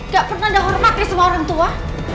gak pernah dah hormat ya sama orang tua